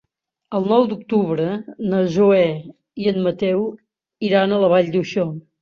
El nou d'octubre na Zoè i en Mateu iran a la Vall d'Uixó.